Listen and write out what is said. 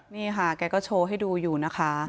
นี่ค่ะแกก็โชว์ให้ดูอยู่นะคะ